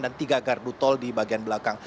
dan tiga gardu tol di bagian belakang